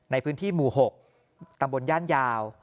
ในพื้นที่หมู่๖ตำบลย่านยาว